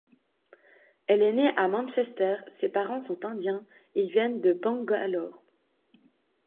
Elle est née à Manchester, ses parents sont indiens, ils viennent de Bangalore.